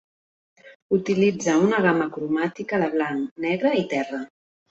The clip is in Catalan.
Utilitza una gamma cromàtica de blanc, negre i terra.